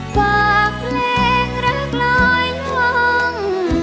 ฝากเพลงรักร้อยหวัง